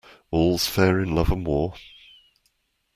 All's fair in love and war.